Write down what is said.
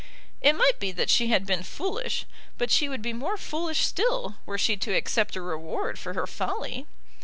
It might be that she had been foolish, but she would be more foolish still were she to accept a reward for her folly.